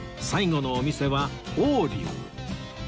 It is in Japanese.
最後のお店は王龍